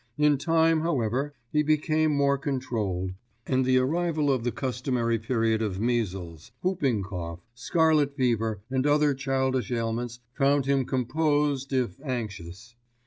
In time, however, he became more controlled, and the arrival of the customary period of measles, whooping cough, scarlet fever and other childish ailments found him composed if anxious.